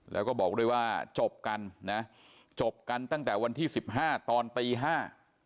แล้วก็บอกด้วยว่าจบกันนะจบกันตั้งแต่วันที่สิบห้าตอนตีห้า